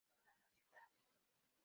Toda la ciudad".